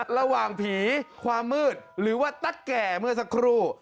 ระหว่างผีความมืดหรือว่าตั๊กแก่เมื่อสักครู่